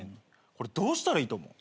これどうしたらいいと思う？